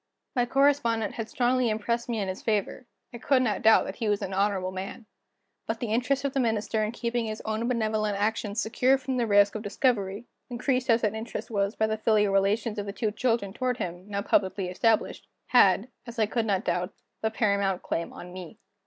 My correspondent had strongly impressed me in his favor; I could not doubt that he was an honorable man. But the interest of the Minister in keeping his own benevolent action secure from the risk of discovery increased as that interest was by the filial relations of the two children toward him, now publicly established had, as I could not doubt, the paramount claim on me.